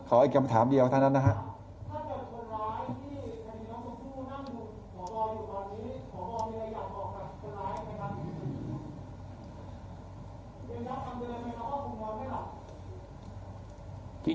อีกคำถามเดียวเท่านั้นนะครับ